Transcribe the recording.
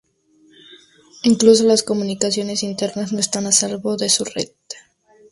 incluso las comunicaciones internas, no están a salvo de su red